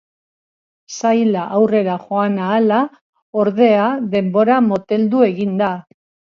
Saila aurrera joan ahala, ordea, denbora moteldu egin da.